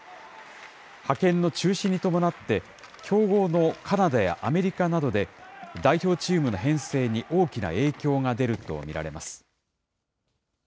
派遣の中止に伴って、強豪のカナダやアメリカなどで、代表チームの編成に大きな影響が出ると見られます。